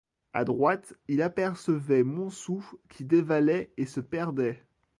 A droite, il apercevait Montsou qui dévalait et se perdait.